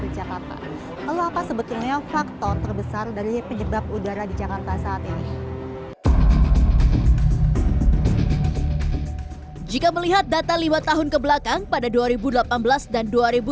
jika melihat data lima tahun kebelakang pada dua ribu delapan belas dan dua ribu delapan belas